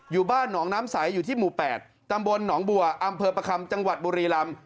อยู่บ้านหนองน้ำใสอยู่ที่หมู่๘ตำบลหนองบัวอำเภอประคัมจังหวัดบุรีรำ